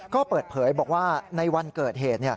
ก็เปิดเผยบอกว่าในวันเกิดเหตุ